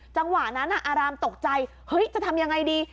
จังหวะนั้นอารามตกใจเฮ้ยจะทำยังไงดี